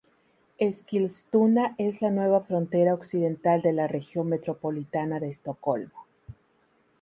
Eskilstuna es la nueva frontera occidental de la región metropolitana de Estocolmo.